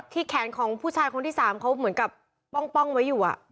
ที่แขนของผู้ชายคนที่สามเขาเหมือนกับป้องป้องไว้อยู่อ่ะ